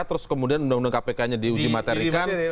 terus kemudian undang undang kpk nya di uji materikan